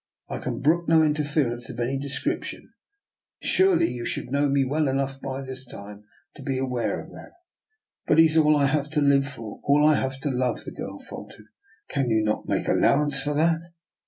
I can brook no interference of any description. Surely you should know me well enough by this time to be aware of that." " But he is all I have to live for — all I have to love," the girl faltered. " Can you not make allowance for that?"